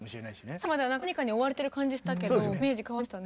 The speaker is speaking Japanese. さっきまでは何かに追われてる感じしたけどイメージ変わりましたね。